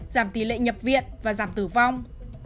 giảm tỷ lệ nhập viện và giảm tử vong